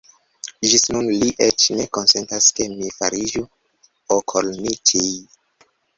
Ĝis nun li eĉ ne konsentas, ke mi fariĝu okolniĉij.